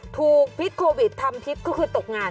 พิษโควิดทำพิษก็คือตกงาน